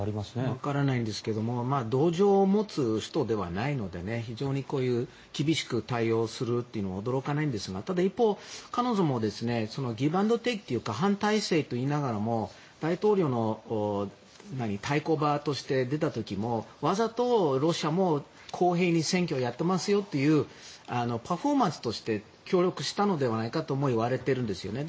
わからないんですが同情を持つ人ではないので非常に、こういう厳しく対応するというのは驚かないんですがただ、一方、彼女もギブ・アンド・テイクというか反体制といいながらも大統領の対抗馬として出た時もわざとロシアも公平に選挙をやってますよというパフォーマンスとして協力したのではないかとも言われているんですよね。